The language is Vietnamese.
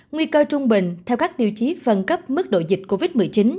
nguy cơ trung bình theo các tiêu chí phân cấp mức độ dịch covid một mươi chín